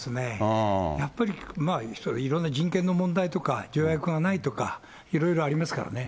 やっぱり、いろんな人権の問題とか、条約がないとか、いろいろありますからね。